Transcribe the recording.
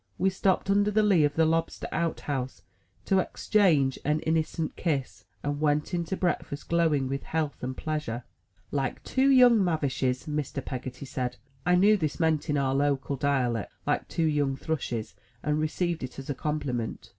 We stopped under the lee of the lobster out house to exchange an innocent kiss, and went in to breakfast glowing with health and pleasure. "Like two young mavishes," Mr. Peggotty said. I knew this meant, in our local dialect, like two young thrushes, and received it as a compliment.